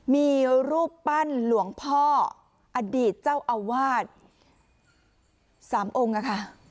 มีรูปปั้นหลวงพ่ออดีตเจ้าอาวาส๓องค์ค่ะ